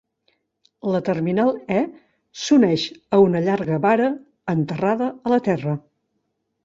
La terminal E s'uneix a una llarga vara enterrada a la terra.